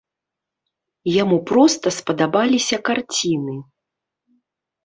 Яму проста спадабаліся карціны.